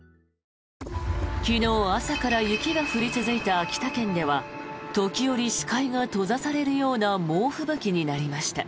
昨日、朝から雪が降り続いた秋田県では時折、視界が閉ざされるような猛吹雪になりました。